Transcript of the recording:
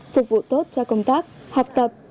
phục vụ tốt cho công tác học tập